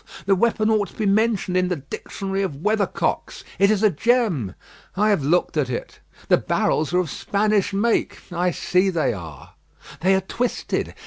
The weapon ought to be mentioned in the Dictionary of Weathercocks. It is a gem." "I have looked at it." "The barrels are of Spanish make." "I see they are." "They are twisted.